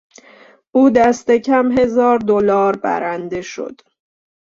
او دست کم هزار دلار برنده شد.